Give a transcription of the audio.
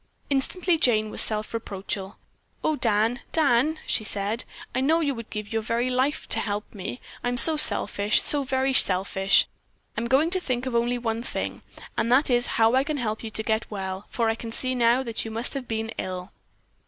Instantly Jane was self reproachful. "Oh, Dan, Dan," she said, "I know you would give your very life to help me. I'm so selfish, so very selfish! I'm going to think of only one thing, and that is how I can help you to get well, for I can see now that you must have been ill."